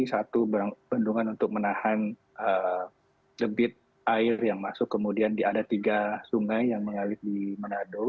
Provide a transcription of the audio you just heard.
satu bendungan untuk menahan debit air yang masuk kemudian ada tiga sungai yang mengalir di manado